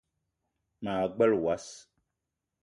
Ma gbele wass